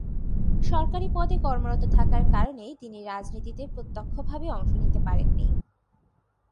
সরকারি পদে কর্মরত থাকার কারণে তিনি রাজনীতিতে প্রত্যক্ষভাবে অংশ নিতে পারেন নি।